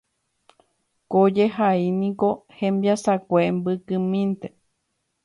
Ko jehai niko hembiasakue mbykymínte.